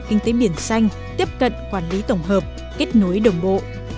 kinh tế biển xanh tiếp cận quản lý tổng hợp kết nối đồng bộ